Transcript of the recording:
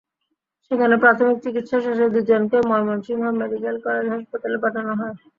সেখানে প্রাথমিক চিকিৎসা শেষে দুজনকে ময়মনসিংহ মেডিকেল কলেজ হাসপাতালে পাঠানো হয়।